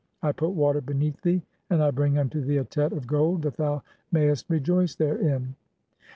I put water beneath "thee, and I bring unto thee a Tet of gold that thou mayest "rejoice therein."